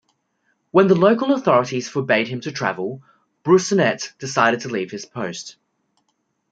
When the local authorities forbade him to travel, Broussonet decided to leave his post.